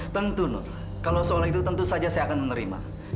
tentu nur kalau soal itu tentu saja saya akan menerima